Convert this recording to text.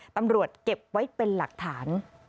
ตำรวจเก็บไว้เป็นหลักฐาน